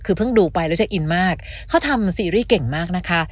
คือเพิ่งดูไปแล้วจะอินมากเขาทำซีรีส์เก่งมากนะคะ